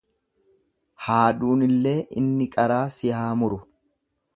Haaduunillee inni qaraa si haamuru.